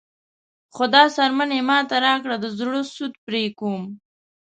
خو دا څرمن یې ماته راکړه د زړه سود پرې کوم.